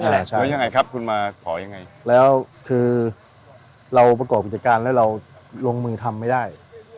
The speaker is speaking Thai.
แล้วยังไงครับคุณมาขอยังไงแล้วคือเราประกอบกิจการแล้วเราลงมือทำไม่ได้